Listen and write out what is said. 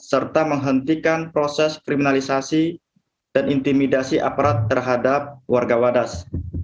serta menghentikan proses kriminalisasi dan intimidasi aparat terhadap warga wadas